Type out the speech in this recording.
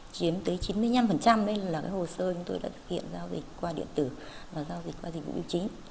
chiếm tới chín mươi năm là cái hồ sơ chúng tôi đã thực hiện giao dịch qua điện tử và giao dịch qua dịch vụ y chính